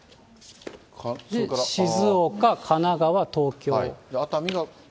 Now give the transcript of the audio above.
静岡、神奈川、東京。